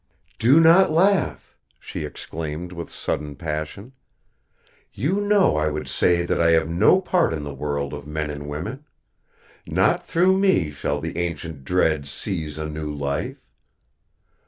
"Do not laugh," she exclaimed with sudden passion. "You know I would say that I have no part in the world of men and women. Not through me shall the ancient dread seize a new life.